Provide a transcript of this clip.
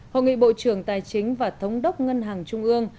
hội nghị bộ trưởng tài chính và thống đốc ngân hàng trung ương